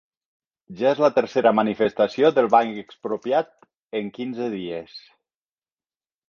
Ja és la tercera manifestació del Banc Expropiat en quinze dies